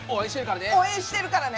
応援してるからね！